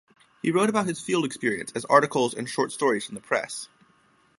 He wrote about his field experience as articles and short stories in the press.